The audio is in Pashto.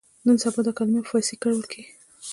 نن سبا دا کلمه په فارسي کې کارول کېږي.